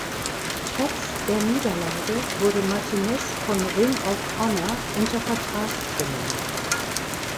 Trotz der Niederlage wurde Martinez von Ring of Honor unter Vertrag genommen.